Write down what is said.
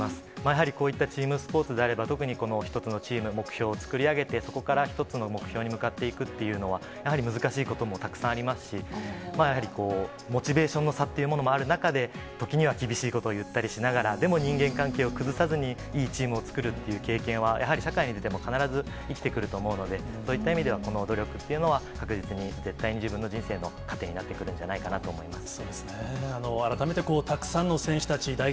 やはり、こういったチームスポーツであれば、特にこの一つのチーム、目標を作り上げて、そこから一つの目標に向かっていくというのは、やはり難しいこともたくさんありますし、やはりモチベーションの差というものもある中で、時には厳しいことを言ったりしながら、でも人間関係を崩さずに、いいチームを作るっていう経験は、やはり社会に出ても必ず生きてくると思うので、そういった意味では、この努力というのは確実に、絶対に、自分の人生の糧になってくるんじゃないかなと思います。